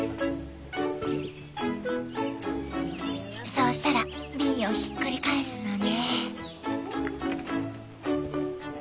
そうしたら瓶をひっくり返すのね。